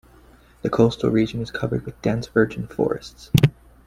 The coastal region is covered with dense virgin forests.